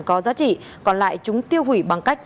có giá trị còn lại chúng tiêu hủy bằng cách